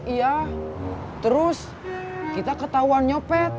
iya terus kita ketahuan nyopet